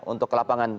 untuk ke lapangan